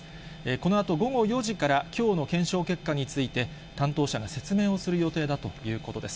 このあと午後４時から、きょうの検証結果について、担当者が説明をする予定だということです。